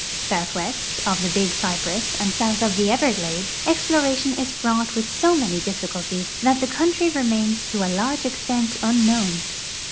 Southwest of the Big Cypress and south of the Everglades exploration is fraught with so many difficulties that the country remains to a large extent unknown.